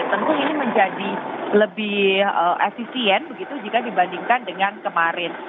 tentu ini menjadi lebih efisien begitu jika dibandingkan dengan kemarin